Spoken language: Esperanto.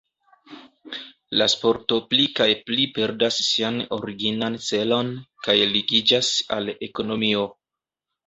La sporto pli kaj pli perdas sian originan celon kaj ligiĝas al ekonomio.